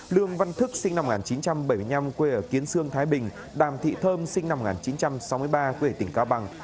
lương văn thức sinh năm một nghìn chín trăm bảy mươi năm quê ở kiến sương thái bình đàm thị thơm sinh năm một nghìn chín trăm sáu mươi ba quê tỉnh cao bằng